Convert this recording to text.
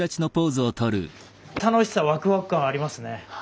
楽しさワクワク感ありますね。